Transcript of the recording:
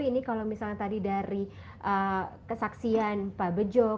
ini kalau misalnya tadi dari kesaksian pak bejo